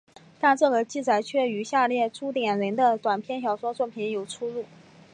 但这个记载却与下列朱点人的短篇小说作品有出入。